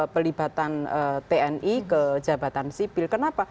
pelibatan tni ke jabatan sipil kenapa